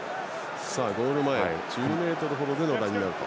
ゴール前１０ｍ程でのラインアウト。